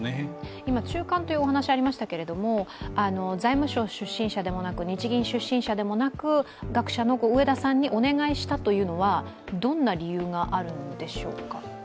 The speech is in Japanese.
今、中間というお話がりましたが財務省出身者でも日銀出身でもなく学者の植田さんにお願いしたというのはどんな理由があるんでしょうか。